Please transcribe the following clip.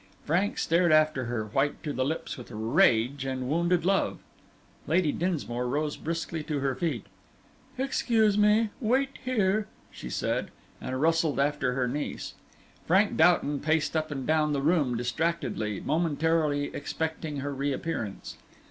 Frank stared after her, white to the lips with rage and wounded love. Lady Dinsmore rose briskly to her feet. "Excuse me. Wait here!" she said, and rustled after her niece. Frank Doughton paced up and down the room distractedly, momentarily expecting her reappearance.